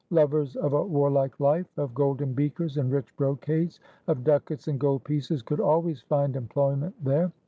Lovers of a warlike life, of golden beakers and rich brocades, of ducats and gold pieces, could always find employment there.